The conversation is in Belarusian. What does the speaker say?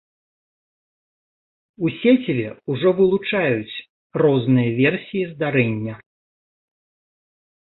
У сеціве ўжо вылучаюць розныя версіі здарэння.